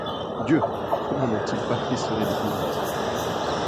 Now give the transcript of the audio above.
Dieu ! comment n'ont-ils pas frissonné d'épouvante